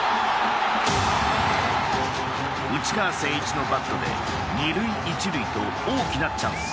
内川聖一のバットで２塁１塁と大きなチャンス。